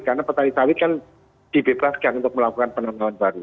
karena petani sawit kan dibebaskan untuk melakukan penelaman sawit